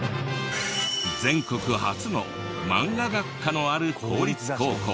全国初のマンガ学科のある公立高校。